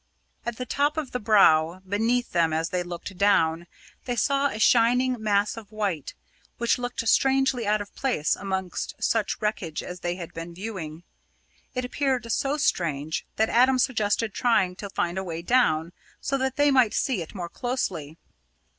At the top of the Brow, beneath them as they looked down, they saw a shining mass of white, which looked strangely out of place amongst such wreckage as they had been viewing. It appeared so strange that Adam suggested trying to find a way down, so that they might see it more closely.